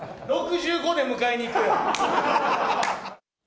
６５で迎えに行くよ。